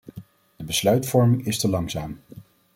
De besluitvorming is te langzaam.